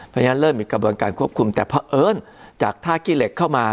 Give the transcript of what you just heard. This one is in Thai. เพราะฉะนั้นเริ่มมีกระบวนการควบคุมแต่เพราะเอิญจากท่าขี้เหล็กเข้ามา